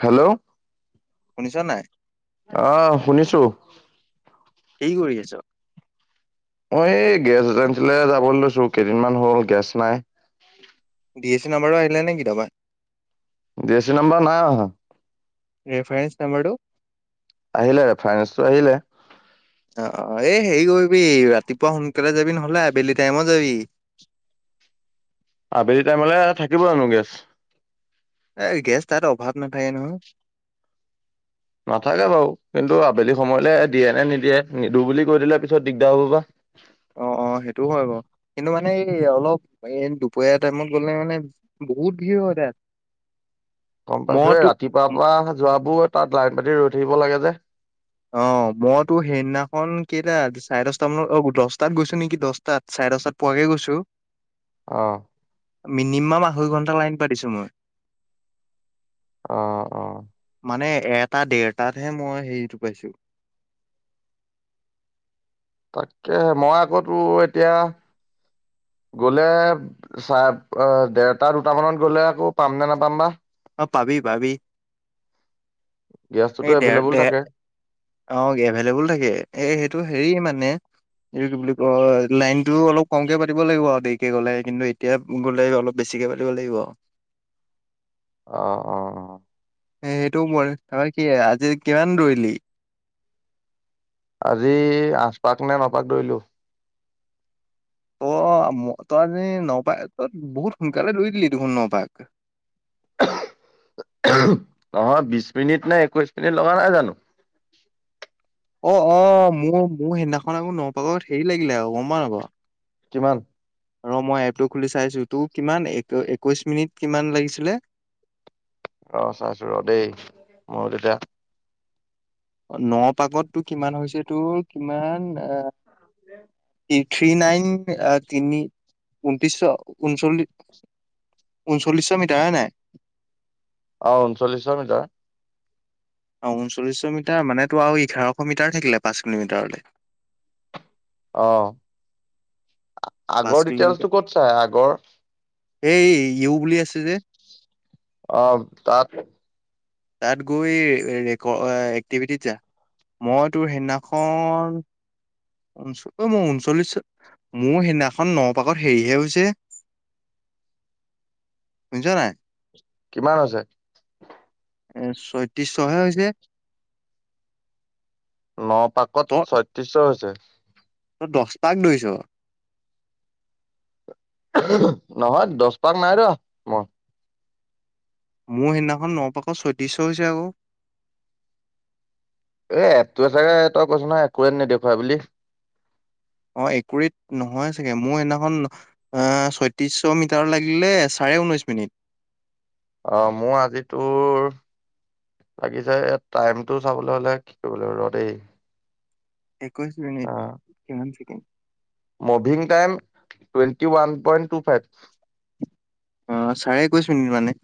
Hello শুনিছো নাই? অ'হ শুনিছো। কি কৰি আছো? মই এই গেছলে যাবলৈ লৈছো, কেইদিনমান হ'ল, গেছ নাই। ডি এছ চি নাম্বাৰো আহিলেনে কি তাবা? ডি-এছ-চি নম্বৰ নাই অহা। ৰেফাৰেন্স নাম্বৰটো? আহিলে ৰেফাৰেন্সটো আহিলে। অ'অ' এই হেৰি কৰিবি, ৰাতিপুৱা সোনকালে যাবি নহলে আবেলি টাইমত যাবি। [inaudible] আবেলি টাইমলে থাকিব জনো গেছ? এ' গেছ তাত অভাৱ নাথাকে নহয়। নাথাকে বাৰু, কিন্তু আবেলি সময়লে দিয়ে নে নিদিয়ে। নিদু বুলি কৈ দিলে, পিছত দিগদাৰ হ'ব বা? অ'হ। অ' সেইটো হয় বাৰু, কিন্তু মানে এই অলপ এই দুপৰীয়া টাইমত গলে মানে বহুত ভিৰ হয় তাত। [inaudible] গম পাইছো মই এ তো ৰাতিপুৱাৰ পৰা যোৱাবোৰ তাত লাইন পাতি ৰৈ থাকিব লাগে যে অ' মইতো সেইদিনাখন কেইটা চাৰে দশটা মানত, অ দশটাত গৈছো নেকি দশটাত চাৰে চাৰে দশটাত পোৱাকে গৈছো। অ'হ। মিনিমাম আঢ়ৈ ঘন্টা লাইন পাতিছো মই। অ - অ। মানে এটা দেৰটাতহে মই হেৰিটো পাইছো। তাকে মই আকৌ তো এতিয়া গলে চাহ দেৰটা দুটা মানত গ'লে আকৌ পাম নে নোপাম বা? অ' পাবি পাবি। গেছটোতো এই দেৰ এভেইলেবল দে থাকে? অ', এভেলেবোল থাকে এ সেইটো হেৰি মানে এইটো কি বুলি কয় লাইনটো অলপ কমকে পাতিব লাগিব আৰু দেৰিকে গ'লে কিন্তু এতিয়া গ'লে অলপ বেছ ছিকে পতিব লাগিব। অ', অ, অ, সেইটো হয়, [unintelligible] আজি কিমান দৌৰিলি? আজি আঠপাক নে ন পাক দৌৰিলো। ত তই আজি নপা বহুত সোনকালে দৌৰি দিলি দেখোন নপাক [inaudible] নহয় বিশ মিনিট নে একৈশ মিনিট লগা নাই জানো অ অ মোৰ মোৰ সেইদিনাখন আকৌ ন পাকত হেৰি লাগিলে আৰু গম পোৱা নে নোপোৱা কিমান? ৰ মই এপটো খুলি চাইছো তোৰ কিমান এক একৈশ মিনিট কিমান লাগিছিলে? ৰ চাইছো ৰ দেই মোৰো তেতিয়া ন পাকততো কিমান হৈছে তোৰ কিমান এ [unintelligible] থ্ৰি নাইন তিনি ঊনত্ৰিছশ ঊনচল্লিশ ঊনচল্লিছশ মিটাৰ আ নাই। অ, উনচলিছৰ মিটাৰ অ ঊনচল্লিশ মিটাৰ মানে তো আৰু এঘাৰশ মিটাৰ থাকিলে পাঁচ কিলোমিটাৰলে। অ, পাঁচ আগৰ কিলোমিটাৰ ডিটেলছটো ক'ত চাই আগৰ এই ইউ বুলি আছে যে। অ' তাত তাত গৈ ৰেক এক্টিভিটি যা। মই তোৰ সেইদিনাখন ঊচন অ মোৰ ঊনচল্লিশ মোৰ সেইদিনাখন ন পাকত হেৰিহে হৈছে। শুনিছ নাই। কিমান আছে। এ ছয়ত্ৰিছশ হে হৈছে। ন পাকত ছয়ত্ৰিশ হৈছে দছপাক দৰিছ নহয় দচ পাক নাই ৰ মই মোৰ সেইদিনাখন নপাকত ছয়ত্ৰিছশ হৈছে আকৌ। এ এপটোতাৰে তই কৈছ নহয় একোৱে নেদেখাই বুলি। অ, একুৰিত নহয় চাগে মোৰ সেইদিনাখন অ' ছয়ত্ৰিশ মিটাৰ লাগিলে চ প্ৰায় ঊনৈছ মিনিট। অ, মোৰ আজি তোৰ লাগিছে এ টাইমটো চাবলৈ হ'লে কি কৰিব লাগিব ৰ দেই। একৈছ মিনিট কিমান second, moving time twenty one point two five. অ, চাৰে একৈশ মিনিট মানে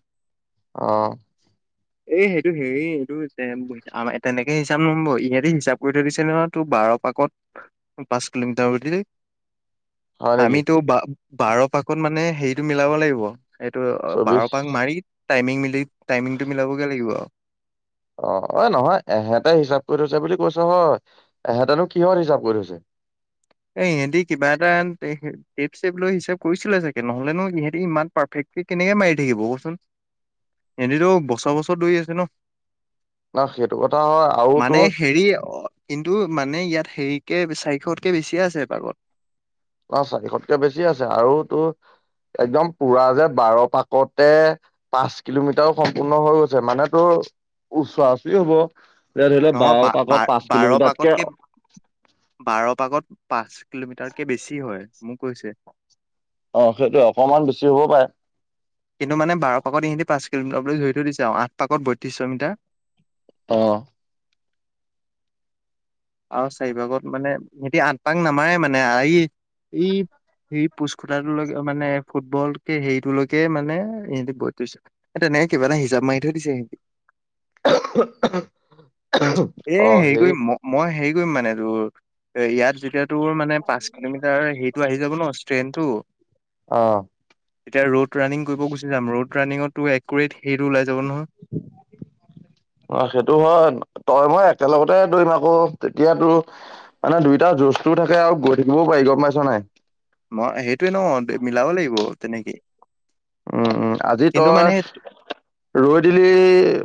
অ', এ সেইটো হেৰি এইটো তেনেকে হিচাপ নম্বৰ ইহঁতে হিচাপ কৰি থৈছে নহয় তু বা বাৰ পাকত পাঁচ কিলোমিটাৰ হয় নেকি আমিতো বা বাৰ পাকত মানে হেৰিতটো মিলাব লাগিব। এইটো চৌবিশ বাৰপাক মাৰি টাইমিং মিলি টাইমিংটো মিলাবগে লাগিব আৰু। অ অ নহয় হেতে হিচাপ কৰি থৈছে বুলি কৈছে হেতে নো কিহৰ হিচাপ কৰি থৈছে [inaudible] এ ইহঁতি কিবা এটা টেপ চেপ লৈ হিচাপ কৰিছিলে চাগে নহলেনো ইহঁতি ইমান পাৰফেক্ট স কেনেকে মাৰি থাকিব কচোন এহেতেতো বছৰ বছৰ দৌৰি আছে ন। ন সেইটো কথা হয় আৰু মানে তোৰ হেৰি কিন্তু মানে ইয়াত সেৰিকে চাৰিশতকে বেছিয়ে আছে এপাকত অ, চাৰিশতকে বেছি আছে আৰু তোৰ একদম পুৰা যে বাৰ পাকতে পাঁচ কিলোমিটাৰ সম্পূৰ্ণ হৈ গৈছে মানে তোৰ উাস হ'ব। যে ধৰি লও নহয় বাৰ পাকত পাঁচ বাৰ কিলোমিটাৰতকে পাকতকে বাৰ পাকত পাচ কিলোমিটাৰকে বেছি হয় মোক কৈছে। অ' সেইটো অকমান বেছি হ'ব পাৰে। কিন্তু মানে বাৰ পাকত ইহঁতে পাঁচ কিলোমিটাৰলৈ ধৰি থৈ দিছে আৰু আঠ পাকত বত্ৰিশ মিটাৰ। অ। আৰু চাৰিভাগত মানে এতিয়া আঠপাক নামাৰে মানে এই এই সেই পোচটাটোলৈকে মানে ফুটবলকে হেৰিটোলৈকে মানে সহ বছে নে কিবা এটা হিচাপ মাৰি থৈ দিছে সিহঁতি। এ অ', হেৰি কৰিম ম- মই হেৰি কৰিম মানে তোৰ এ ইয়াত যেতিয়া তোৰ মানে পাঁচ কিলোমিটাৰ হেৰিতটো আহি যাব ন' ষ্ট্ৰেইনতটো অ এতিয়া ৰ'ড ৰানিং কৰিব গুচি যাম ৰ'ড ৰানিঙত টো একৰেট সেইটো ওলাই যাব নহয়। অ' সেইটো হয় তই মই একেলগতে দৰিম আকৌ তেতিয়াতো মানে দুইটা জুজটোও থাকে আৰু গৈ থাকিবও পাৰি গম পাইছ নাই। মই সেইটোৱে ন মিলাব লাগিব তেনেকে উম আজি কিন্তু মানে তই ৰৈ দিলি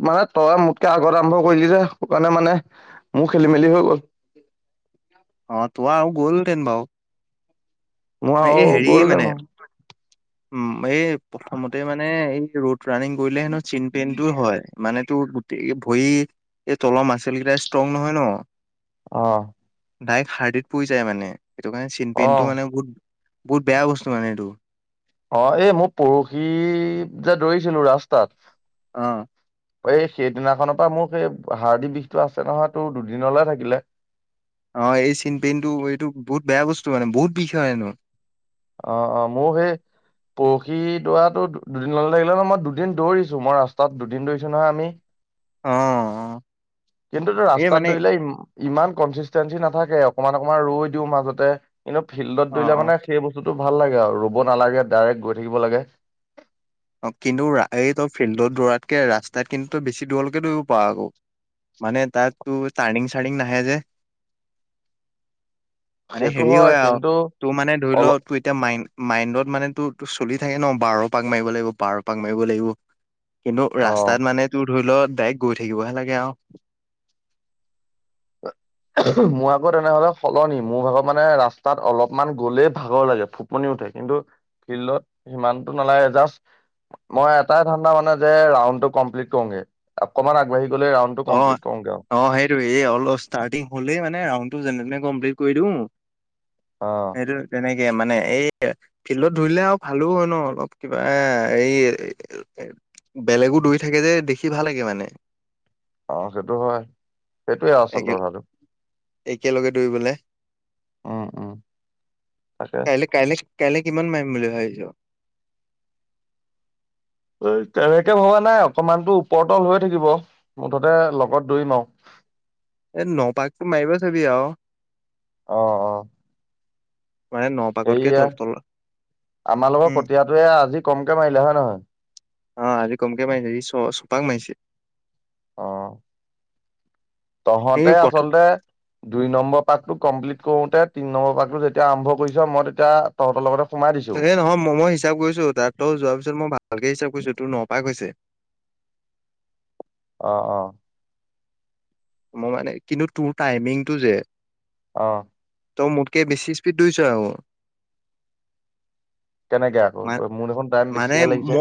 মানে তই আগত আৰম্ভ কৰিলি যে সেই কাৰণে মানে মোৰ খেলি মেলি হৈ গ'ল। অ' তো আৰু গ'লহেতেন বাওঁ মোৰ আৰু এই হেৰি গ'ল দে মানে মোৰ উম, এই প্ৰথমতে মানে এই ৰোড ৰানিং কৰিলে হেনো চ্ছিন পেইনটো হয়। মানে তোৰ গোটেই ভৰি এই, তলৰ মাচেল কেইটা ষ্ট্ৰং নহয় ন? অ'। ডাইৰেক্ট হাৰ্ডিত পৰি যায় মানে সেইটোকাৰণে চ্ছিন অ পেইনটো মানে বহুত বহুত বেয়া বস্তু মানে এইটো অ', এই মই পৰহি যে, দৌৰিছিলোঁ ৰাস্তাত অ' এই সেইদিনাখনৰ পৰা মোৰ সেই হাৰডি বিষতো আছে নহয়, তোৰ দুদিনলৈ থাকিলে। অ', এই চিন পেইনটো এইটো বহুত বেয়া বস্তু মানে, বহুত বিষ হয়, হেনো অ', অ', মোৰ সেই পৰহি দৌৰাটো দ-দুদিন লৈ থাকিলে নহয়, মই দুদিন দৌৰিছোঁ মই ৰাস্তাত দুদিন দৌৰিছোঁ নহয়, আমি। অ', অ'। কিন্তুটো এই ৰাস্তাত মানে দৌৰিলে ই-ইমান কনচিষ্টেঞ্চি নাথাকে অকমান, অকণমান ৰৈ দিওঁ মাজতে, কিন্তু ফিল্ডত অ দৌৰিলে অ মানে সেই বস্তু টো, ভাল লাগে আৰু ৰ'ব নালাগে ডাইৰেক্ট গৈ থাকিব লাগে। অ', কিন্তু ৰা-এই তই ফিল্ডত দৌৰাতকে ৰাস্তাত কিন্তু তই বেছি দূৰলৈকে দৌৰিব পাৰ আকৌ। মানে তাত তোৰ তাৰৰ্নিং চানিং নাহে যে মানে সেইটো হেৰি হয়, আৰু কিন্তু তোৰ মানে ধৰি অলপ ল' তোৰ এতিয়া মাইন, মাইণ্ডত মানে তোৰ, তোৰ চলি থাকে ন' বাৰ পাক মাৰিব লাগিব, বাৰ পাক মাৰিব লাগিব, কিন্তু অ ৰাস্তাত মানে তোৰ ধৰি ল' ডাইৰেক্ট গৈ থাকিবহে লাগে আৰু। মোৰ আকৌ তেনেহ'লে সলনি, মোৰ ভাগৰ মানে ৰাস্তাত অলপমান গ'লেই ভাগৰ লাগে ফুপনি উঠে, কিন্তু ফিল্ডত সিমানটো নালাগে জাস্ত মই এটাই ধান্দা মানে যে, ৰাউণ্ডটো কমপ্লিট কৰোগে, অকনমান আগবাঢ়ি গ'লে ৰাউণ্ডটো কমপ্লিট অ', কৰোগে আৰু অ', সেইটোৱে এই অলপ ষ্টাৰ্টিং হ'লেই মানে ৰাউণ্ড টো যেনে তেনে কমপ্লিট কৰি দিওঁ। অ সেইটো তেনে তে মানে এই ফিল্ডত দৌৰিলে আৰু ভালো হয় ন অলপ কিবা এ এই বেলেগো দৌৰি থাকে যে দেখি ভাল লাগে মানে। অহ, সেইটো হয় একে সেইটোয়ে। একেলগে দৌৰিবলৈ উম উম তাকে কাইলৈ কাইলৈ কাইলে কিমান মাৰিম বুলি ভাবিছো। কেনেকে ভবা নাই অকমানতো ওপৰতল হৈ থাকিব মুঠতে লগত দৌৰিম আ। এ নপাকতো মাৰিব চাবি আৰু। অ-অ। মানে ন পাকতকে সেয়া তল তল আমাৰ লগৰ উম কটিয়টোয়ে আজি কমকে মাৰিলে হয়ে নহয়। অ, আজি কমকে মাৰিছে ছপাক মাইছে। অ', তহতে এই প্ৰথ আচলতে দুই নম্বৰ পাকটো কমপ্লিট কৰোতে তিনি নম্বৰ পাককটো যেতিয়া আৰম্ভ কৰিছো মই তেতিয়া তহতৰ লগতে সোমাই দিছো এ নহয় মই- মই হিচাপ কৰিছো তাতো যোৱাৰ পিছত মই ভালকে হিচাপ কৰিছো। অ-অ। মই মানে কিন্তু। অহ ', ত' মোটকে বেছি স্পীড দুই চোৱাব। কেনেকে আকৌ মোৰ দেখোন টাইম মানে বেছিহে ম লাগিছে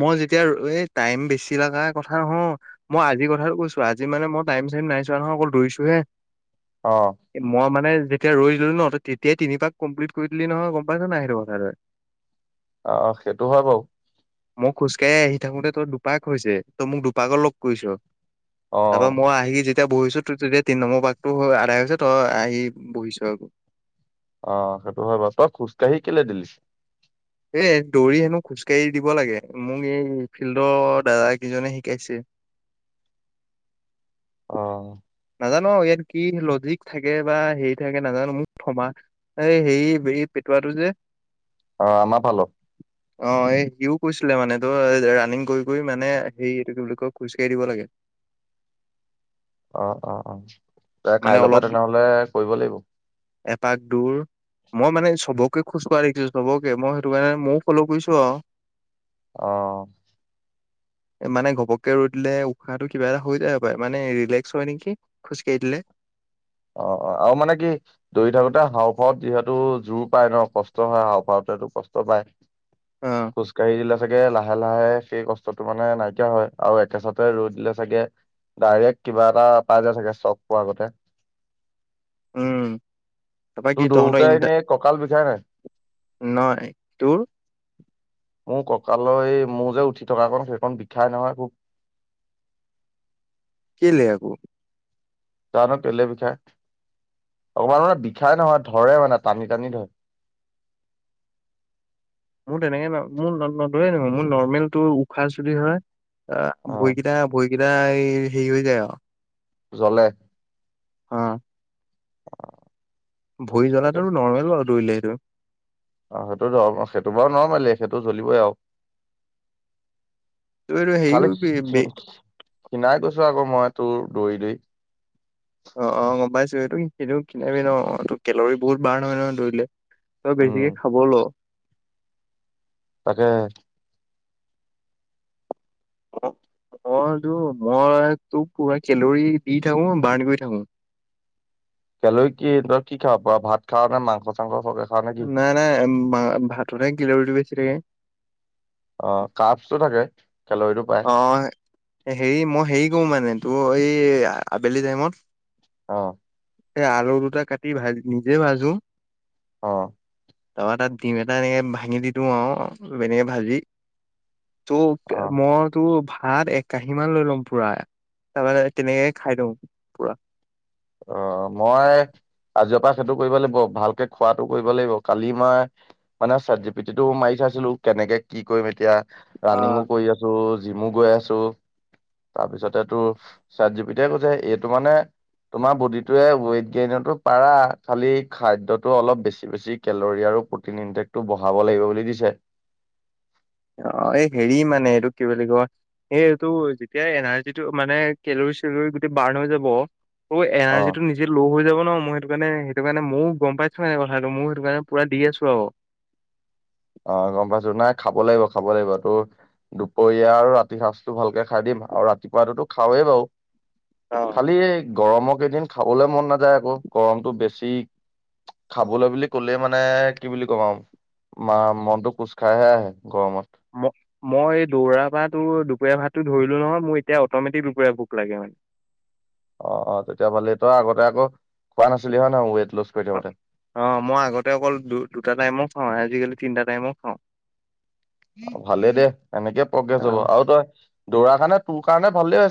মই যেতিয়া ৰ টাইম বেছি কথা কওঁ মই আজি কথাটো কৈছো। আজি মানে মই টাইম চাইম নাইছোৱা নহয়। অকল দূৰিছো হে। অ মই মানে তেতিয়া ৰৈ দিলো নহ তেতিয়াই তিনিপাক কমপ্লিট কৰি দিলি নহয় গম পাইছ নাই সেইটো কথাটো। আহ, সেইটো হয় বাৰু। [unintelligible] আহি থাকোতে তই দুপাক হৈছে। তই মোক দুপাকৰ লগ কৰিছ। অ তাৰ পৰা মই আহি যেতিয়া বহিছো, তই তেতিয়া তিন নম্বৰ পাকটো আদায় হৈছে, তই আহি বহিছো আকৌ। আহ, সেইটো হয় বাৰু। তই খোজ কাঢ়ি কেলে দিলি? এ দৌৰি হেনো খোজকাাঢ়ি দিব লাগে। মোক এই ফিল্ডৰ দাদা কেইজনে শিকাইছে। [inaudible] অ'। নাজানো ইয়াত কি লজিক থাকে, বা হেৰি থাকে নাজানো মোক থমা এই হেৰি [unintelligible] যে অ আমাৰ ফালৰ অ', এই সিও কৈছিলে মানে, তোৰ ৰানিং কৰি কৰি মানে সে এইটো কি বুলি কয় খোজকাঢ়ি দিব লাগে। [inaudible] অ', অ', অ'। মানে কাইলৈৰ পৰা অলপ তেনেহলে কৰিব লাগিব এপাক দূৰ মই মানে চবক। খোজ কঢ়াদেখিছো চব অকে মই সেইটো কাৰণে ময়ো ফল কৰিছো, আৰু অহ ', [inaudible] মানে ঘপকে ৰৈ দিলে উশাহটো কিবা এটা হৈ যায় পাৰে মানে ৰিলেক্স হয় নেকি? খোজ কাঢ়ি দিলে। অ- অ আৰু মানে কি দৌৰি থাকোতে হাওফাওত যিহেতু জোৰ পায় ন কষ্ট হয় হাওফাওত। টো কষ্ট পায়। অ খোজকাঢ়ি দিলে চাগে লাহে- লাহে সেই কষ্টতটো মানে নাইকিয়া হয় আৰু একেচাতে ৰৈই দিলে চাগে। ডাইৰেক্ট কিবা এটা পাই যায় চাগে উম তাৰপৰা কি তোৰ দৌৰোতে এনে কঁকাল বিষাই নাই? নাই, তোৰ? মোৰ ককালৰ এই, মোৰ যে উঠি থকাকন সেইকন বিষাই নহয় খুব। কেলে আকৌ। জানো কেলে বিখাই। অকমান মানে বিষাই নহয়, ধৰে মানে টানি টানি ধৰে। [inaudible] মোৰ তেনেকে মোৰ নধয়ে নয়, মোৰ নৰ্মেল তটো উশাহ চুটি হয়। অ', ভৰিকিটা, ভৰিকিটা এই হেৰি হৈ যায় আৰু জ্বলে। অ'। ভৰি জ্বলাটো নৰ্মেল বাৰু দৌৰিলে এইটো। অ', সেইটো ধৰ সেইটো বাৰু নৰ্মেলেই, সেইটো জ্বলিবই ত এইটো আৰু। হেৰি কৰিবি বে [unintelligible] ক্ষীনাই গৈছোঁ আকৌ মই তোৰ দৌৰি, দৌৰি। অ', অ', গম পাইছোঁ সেইটো [unintelligible] কেলৰি বহুত বাৰ্ন হয়, নহয় দৌৰিলে। তই উম বেছিকে খাব ল। তাকেহে। উম। মইতো মই তোক পুৰা কেলৰি দি থাকো বাৰ্ণ কৰি থাকো। কেলৰি কি তয় কি খাৱ ভাত খাৱ নে মাংস চাংস সৰহকে খাৱ নে কি নাই নাই মা ভাততহে কেলৰিটো বেছি থাকে। অ' কাৰ্বচটো থাকে। কেলৰিটো পায় অ' হেৰি মই হেৰি কৰো মানে তোৰ এই আবেলি টাইমত অ', এই আলু দুটা কাটি ভাজি নিজে ভাজো। অ' আমাৰ তাত ডিম এটা এনেকে ভাঙি দি দিওঁ আৰু এনে ভাজি। তোক অ মই তো ভাত একাহি মান লৈ লওঁ পুৰা তাৰপৰা তেনেকে খাই দিওঁ পুৰা। অ' মই আজিঅপা পৰা সেইটো কৰিব লাগিব ভালকে খোৱাটো কৰিব লাগিব কালি আমাৰ মানে ছিলো কেনেকে কি কৰিম এতিয়া ৰানিং অ উ কৰি আছো জিমো গৈ আছো তাৰপিছতে তোৰ চাত জিপিতিয়ে কৈছে এইটো মানে তোমাৰ বডিটোৱে ৱেইট গেইনতো পাৰা খালি খাদ্যটো অলপ বেছি বেছি কেলৰি আৰু প্ৰটিন ইনটেকটো বঢ়াব লাগিব বুলি দিছে। অ' এই হেৰি মানে এইটো কি বুলি কয় এই এইটো যেতিয়াই এনাৰ্জিটো মানে কেলৰি চেলৰি গোটেই বাৰ্ন হৈ যাব অ এনাৰ্জিটো নিজে ল' হৈ যাব ন। ন মই সেইটো কাৰণে সেইটো কাৰণে ময়ো গম পাইছো মানে কথাটো সেইটো কাৰণে। মইয়ো পুৰা দি আছো আৰু অ', গম পাইছো নাই খাব লাগিব খাব লাগিব তোৰ দুপৰীয়া আৰু ৰাতিৰ সাঁজটো ভালকে খাই দিম আৰু ৰাতিপুৱাটোটো খাওৱে বাৰু খালী এই গৰমৰ কেইদিন খাবলে মন নাযায় আকৌ, গৰমটো বেছি। খাবলৈ বুলি ক'লে মানে কি বুলি কম আৰু। মা মনটো কোচ খাইহে আহে গৰমত। [unintelligible] মই এই দৌৰাপা তোৰ দুপৰীয়া ভাতটো ধৰিলো নহয় মোৰ এতিয়া অটমেটিক দুপৰীয়া ভোক লাগে মানে। [inaudible] অ', অ', তেতিয়া ভালেই তই আগতে আকৌ খোৱা নাছিলি হয় নহয় মোক অ', অ', মই আগতে অকল দু- দুটা টাইমো খাওঁ আজিকালি তিনটা টাইমো খাওঁ। ভালে দে এনেকেই প্ৰগ্ৰেছ হ'ব অ' আৰু তই দৌৰাৰ কাৰণে তোৰ কাৰণে ভালে হৈছে